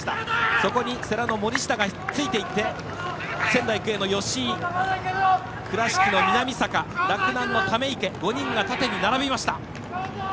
そこに世羅の森下がついていって仙台育英の吉居、倉敷の南坂洛南の溜池５人が縦に並びました。